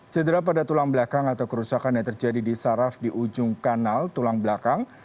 cedera pada tulang belakang atau kerusakan yang terjadi di saraf di ujung kanal tulang belakang